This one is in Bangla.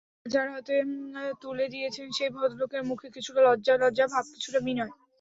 যাঁর হাতে তুলে দিয়েছেন, সেই ভদ্রলোকের মুখে কিছুটা লজ্জা-লজ্জা ভাব, কিছুটা বিনয়।